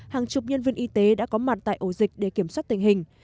hàng chục nhân viên y tế đã có mặt tại ổ dịch để kiểm soát tình hình